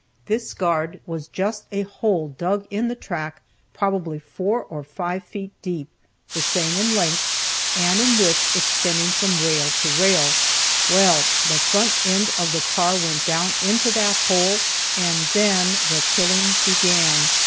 This guard was just a hole dug in the track, probably four or five feet deep, the same in length, and in width extending from rail to rail. Well, the front end of the car went down into that hole, and then the killing began.